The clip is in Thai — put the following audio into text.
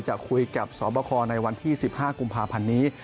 จะคุยกับสอบคอในวันที่๑๕กุมภาพันธ์นี้